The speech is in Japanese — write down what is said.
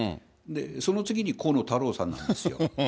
その次に河野太郎さんなんですよ。